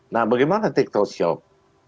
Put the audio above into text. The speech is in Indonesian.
nah bagaimana tik tok shop